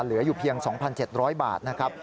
เหลืออยู่เพียง๒๗๐๐บาทนะครับ